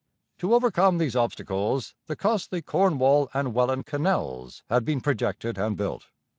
To overcome these obstacles the costly Cornwall and Welland canals had been projected and built.